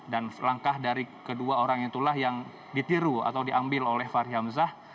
dan langkah dari kedua orang itulah yang ditiru atau diambil oleh fahri hamzah